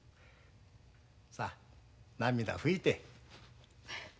さあ涙拭いて。